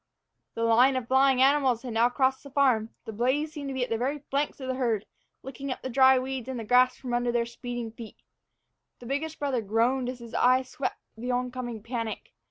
The line of flying animals had now crossed the farm. The blaze seemed to be at the very flanks of the herd, licking up the dry weeds and grass from under their speeding feet. The biggest brother groaned as his eye swept the oncoming panic.